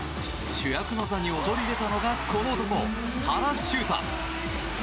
主役の座に躍り出たのが、この男原修太。